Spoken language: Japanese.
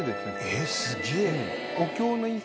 えっすげぇ。